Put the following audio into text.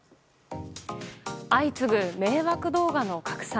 相次ぐ迷惑動画の拡散。